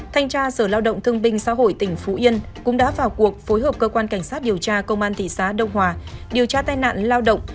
thanh tra sở lao động thương binh xã hội tỉnh phú yên cũng đã vào cuộc phối hợp cơ quan cảnh sát điều tra công an thị xã đông hòa điều tra tai nạn lao động